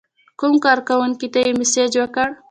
کوم کارکونکي ته یې مسیج وکړ.